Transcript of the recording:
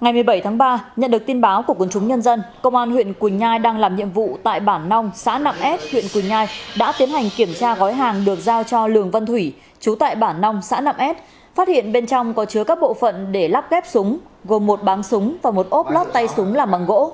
ngày một mươi bảy tháng ba nhận được tin báo của quân chúng nhân dân công an huyện quỳnh nhai đang làm nhiệm vụ tại bản nong xã nạm ép huyện quỳnh nhai đã tiến hành kiểm tra gói hàng được giao cho lường văn thủy chú tại bản nong xã nạm s phát hiện bên trong có chứa các bộ phận để lắp ghép súng gồm một bán súng và một ốp lót tay súng làm bằng gỗ